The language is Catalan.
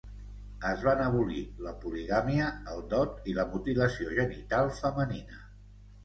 Es van abolir la poligàmia, el dot i la mutilació genital femenina.